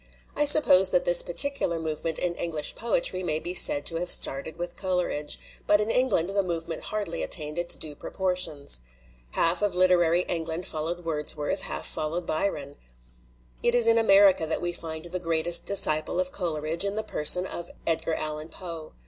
I suppose that this particular movement in English poetry may be said to have started with Coleridge, but in England the movement hardly attained its due proportions. Half of literary England fol lowed Wordsworth, half followed Byron. It is in America that we find the greatest disciple of Coleridge in the person of Edgar Allan Poe.